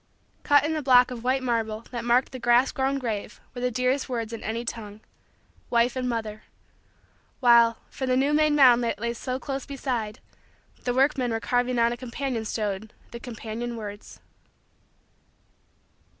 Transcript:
Cut in the block of white marble that marked the grass grown grave were the dearest words in any tongue Wife and Mother; while, for the new made mound that lay so close beside, the workmen were carving on a companion stone the companion words.